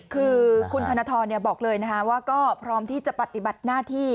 คือคุณธนทรบอกเลยนะคะว่าก็พร้อมที่จะปฏิบัติหน้าที่